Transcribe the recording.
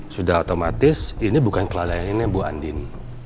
sudah otomatis ini bukan kelelainan bu andien